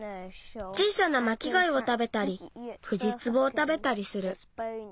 小さなまきがいをたべたりフジツボをたべたりする。